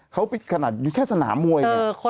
เขาปิดขนาดอยู่แค่สนามวย